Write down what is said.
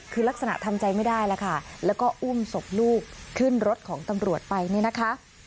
คือลักษณะทำใจไม่ได้แล้วค่ะแล้วก็อุ้มศพลูกขึ้นรถของตำรวจไปเนี่ยนะคะ